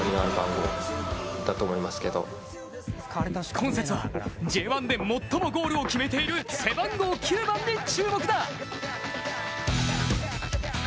今節はＪ１で最もゴールを決めている背番号９番に注目だ。